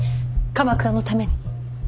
鎌倉のために。